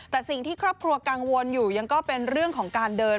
แต่สิ่งที่ครอบครัวกังวลอยู่ยังก็เป็นเรื่องของการเดิน